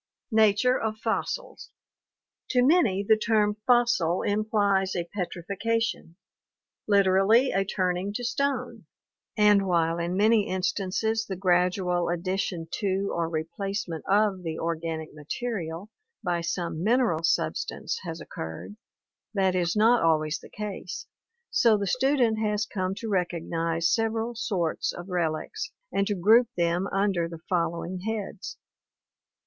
Nature of Fossils To many the term fossil implies a petrifaction — literally a turn ing to stone — and while in many instances the gradual addition to or replacement of the organic material by some mineral substance has occurred, that is not always the case, so the student has come to recognize several sorts of relics and to group them under the fol lowing heads.